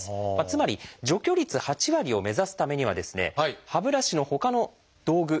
つまり除去率８割を目指すためにはですね歯ブラシのほかの道具